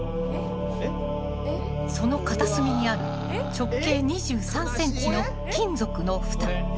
その片隅にある直径２３ｃｍの金属の蓋。